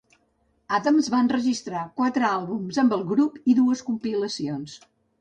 Adams va enregistrar quatre àlbums amb el grup i dues compilacions.